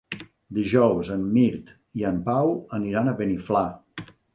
Dijous en Mirt i en Pau aniran a Beniflà.